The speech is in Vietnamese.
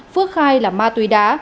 phước khai là ma túy đá